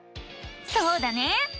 そうだね！